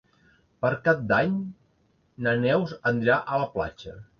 Per Cap d'Any na Neus anirà a la platja.